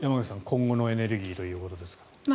今後のエネルギーということですが。